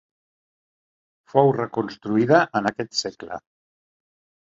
Fou reconstruïda en aquest segle.